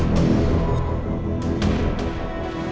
aku harus kesehatan